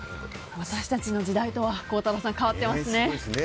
私たちの時代とは孝太郎さん変わっていますね。